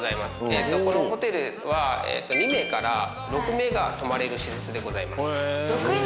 えとこのホテルは２名から６名が泊まれる施設でございます６人？